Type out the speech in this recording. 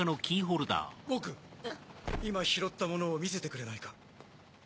ボク今拾ったものを見せてくれないか？